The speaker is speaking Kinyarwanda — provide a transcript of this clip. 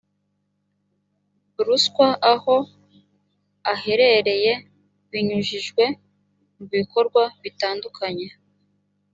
ruswa aho aherereye binyujijwe mu bikorwa bitandukanye